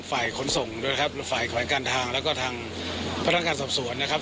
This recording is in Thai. ขนส่งด้วยครับฝ่ายของการทางแล้วก็ทางพนักงานสอบสวนนะครับ